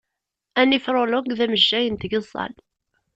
Anifrolog d amejjay n tgeẓẓal.